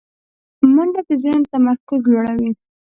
منډه د ذهن تمرکز لوړوي